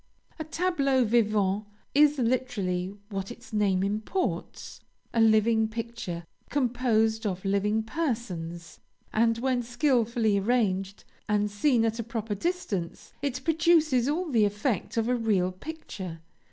"A tableau vivant is literally what its name imports a living picture composed of living persons; and, when skilfully arranged and seen at a proper distance, it produces all the effect of a real picture.